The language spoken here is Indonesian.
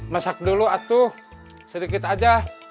masak dulu atuh sedikit aja